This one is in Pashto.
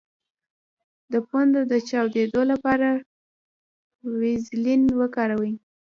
د پوندو د چاودیدو لپاره ویزلین وکاروئ